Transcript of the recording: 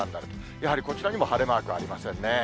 やはりこちらにも晴れマークありませんね。